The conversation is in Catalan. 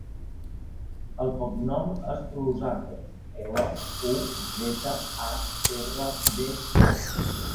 El cognom és Luzardo: ela, u, zeta, a, erra, de, o.